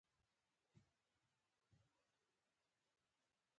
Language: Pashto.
د کریموف کورنۍ په افسانوي ډول شتمن شوي دي.